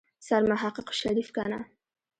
سرمحقق شريف کنه.